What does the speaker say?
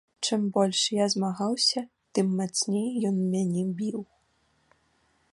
Чым больш я змагаўся, тым мацней ён мяне біў.